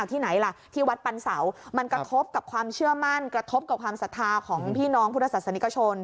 ที่ไหนล่ะที่วัดปันเสามันกระทบกับความเชื่อมั่นกระทบกับความศรัทธาของพี่น้องพุทธศาสนิกชน